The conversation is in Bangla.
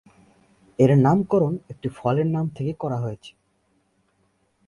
এর নামকরণ একটি ফলের নাম থেকে করা হয়েছে।